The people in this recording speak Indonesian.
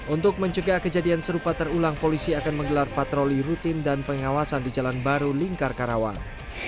untuk mencegah kejadian serupa terulang polisi akan menggelar patroli rutin dan pengawasan di jalan baru lingkar karawang